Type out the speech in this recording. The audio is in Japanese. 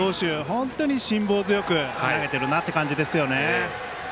本当に辛抱強く投げてるなという感じですね。